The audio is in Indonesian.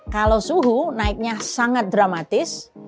kalau suhu naiknya sangat dramatis